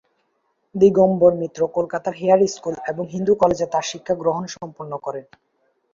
দিগম্বর মিত্র কলকাতার Hare school এবং হিন্দু কলেজে তাঁর শিক্ষাগ্রহণ সম্পন্ন করেন।